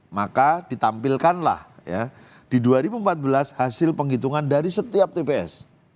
maka ditampilkanlah ya di dua ribu empat belas hasil penghitungan dari setiap tps